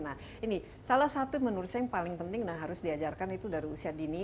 nah ini salah satu menurut saya yang paling penting dan harus diajarkan itu dari usia dini